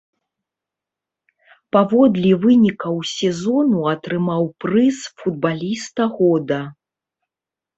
Паводле вынікаў сезону атрымаў прыз футбаліста года.